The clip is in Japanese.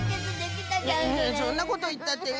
そんなこといったって。